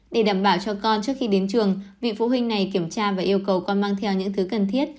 để đảm bảo cho con trước khi đến trường vị phụ huynh này kiểm tra và yêu cầu con mang theo những thứ cần thiết